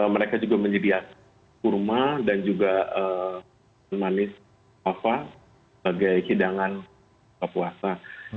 mereka juga menjadi kurma dan juga manis apa sebagai hidangan kepuasa